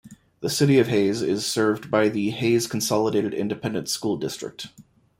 The City of Hays is served by the Hays Consolidated Independent School District.